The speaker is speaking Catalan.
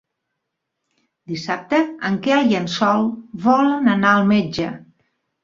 Dissabte en Quel i en Sol volen anar al metge.